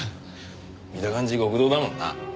見た感じ極道だもんな。